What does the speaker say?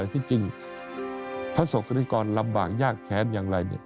ที่จริงพระศกนิกรลำบากยากแค้นอย่างไร